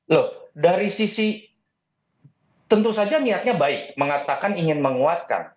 loh dari sisi tentu saja niatnya baik mengatakan ingin menguatkan